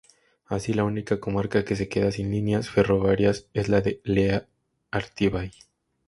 Así, la única comarca que se queda sin líneas ferroviarias es la de Lea-Artibai.